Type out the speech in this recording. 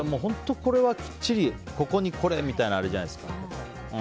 これはきっちりここにこれみたいなあれじゃないですか。